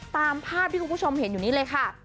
ตามภาพที่คุณผู้ชมเห็นอยู่นี้เลยค่ะ